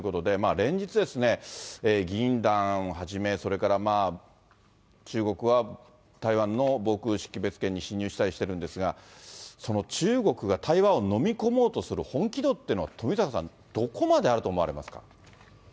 連日、議員団をはじめそれから中国は台湾の防空識別圏に進入したりしているんですが、その中国が台湾を飲み込もうとする本気度というのは富坂さん、どこまであると思われますか。